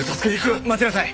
待ちなさい。